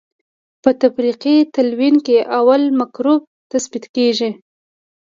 په تفریقي تلوین کې اول مکروب تثبیت کیږي.